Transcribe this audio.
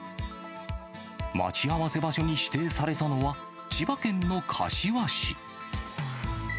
待ち合わせ場所に指定されたのは、千葉県の柏市。